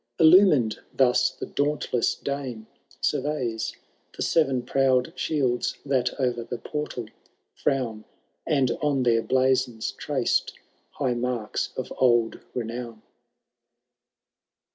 — Illumined thus, the dauntless Dane surveys The Seven Proud Shields that o'er the portal frown, And on their blazons traced high marks of old renown.